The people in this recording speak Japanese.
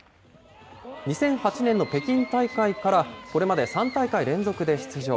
２００８年の北京大会から、これまで３大会連続で出場。